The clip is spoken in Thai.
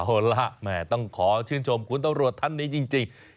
เอาล่ะแม่ต้องขอชื่นชมคุณตำรวจท่านนี้จริง